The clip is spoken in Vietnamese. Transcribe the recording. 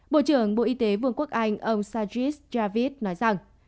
bộ trưởng bộ y tế vương quốc anh ông sajis javid nói rằng